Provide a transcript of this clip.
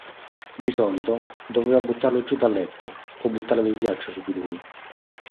Di solito, doveva buttarlo giù dal letto, o buttare del ghiaccio su di lui.